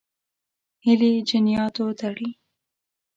هیلې جنیاتو تړي.